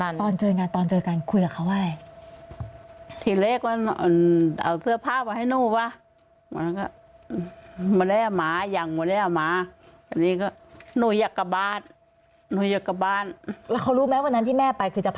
ที่นี่หรออ่ะตอนเจอกันฮะคุยกับเขาว่าอะไร